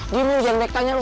gini lo jangan nek tanya lo